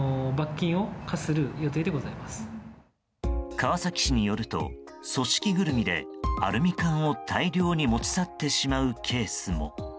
川崎市によると組織ぐるみでアルミ缶を大量に持ち去ってしまうケースも。